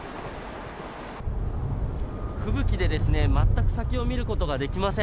吹雪で全く先を見ることができません。